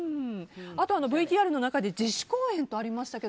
あとＶＴＲの中で自主公演とありましたが